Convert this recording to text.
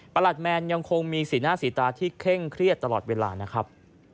หลัดแมนยังคงมีสีหน้าสีตาที่เคร่งเครียดตลอดเวลานะครับ